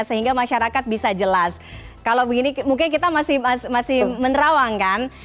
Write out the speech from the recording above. sehingga masyarakat bisa jelas kalau begini mungkin kita masih menerawang kan